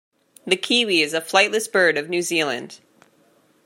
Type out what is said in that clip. The kiwi is a flightless bird of New Zealand.